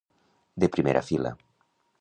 De primera fila.